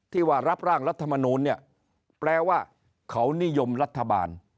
ที่ว่ารับร่างรัฐมนูลเนี่ยแปลว่าเขานิยมรัฐบาล